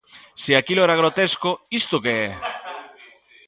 Se aquilo era grotesco, isto que é?